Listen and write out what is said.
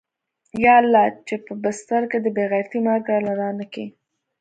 يا الله چې په بستر کې د بې غيرتۍ مرگ راله رانه کې.